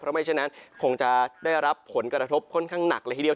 เพราะไม่เช่นนั้นคงจะได้รับผลกระทบค่อนข้างหนักเลยทีเดียว